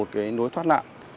cái nối thoát nạn